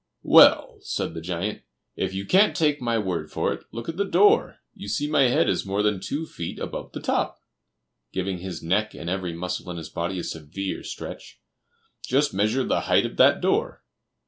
"Well," said the giant, "if you can't take my word for it, look at that door; you see my head is more than two feet above the top:" (giving his neck and every muscle in his body a severe stretch:) "just measure the height of that door."